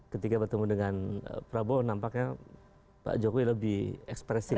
ketika bertemu dengan prabowo nampaknya pak jokowi lebih ekspresi lah